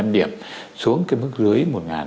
một năm trăm linh điểm xuống cái mức dưới một năm trăm linh